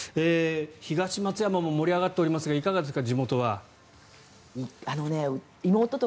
東松山も盛り上がってますがいかがですか？